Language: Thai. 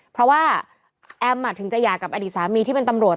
เพราะว่าแอมถึงจะหย่ากับอดีตสามีที่เป็นตำรวจ